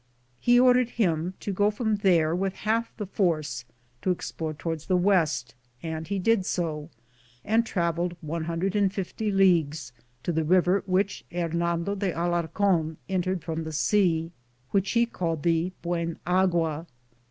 He ordered him to go from there with half the force to explore toward the west; and he did so, and traveled 150 leagues, to the river which Hernando de Alarcon entered from the sea, which he called the Buenaguia.